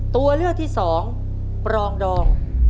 ตัวเลือกที่สองปรองดอง